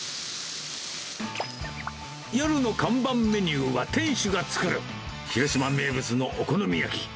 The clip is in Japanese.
夜の看板メニューは店主が作る、広島名物のお好み焼き。